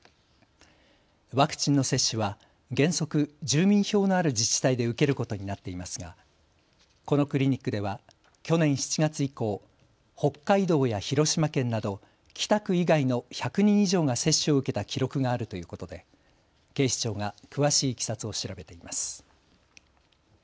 ワクチンの接種は原則、住民票のある自治体で受けることになっていますがこのクリニックでは去年７月以降、北海道や広島県など北区以外の１００人以上が接種を受けた記録があるということで警視庁が詳しいいきさつを調べています。